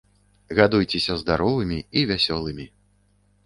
Гадуйцеся здаровымі і вясёлымі!